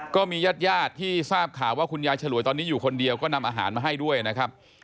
ก็มีญาติญาติที่ทราบข่าวว่าคุณยายฉลวยตอนนี้อยู่คนเดียวก็นำอาหารมาให้ด้วยนะครับ